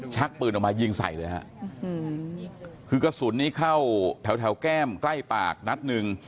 ชักปืนออกมายิงใส่เลยฮะคือกระสุนนี้เข้าแถวแถวแก้มใกล้ปากนัดหนึ่ง